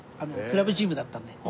クラブチームだったんで。